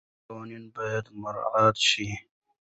مالي قانون باید مراعات شي.